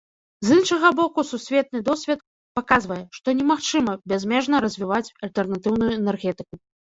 З іншага боку, сусветны досвед паказвае, што немагчыма бязмежна развіваць альтэрнатыўную энергетыку.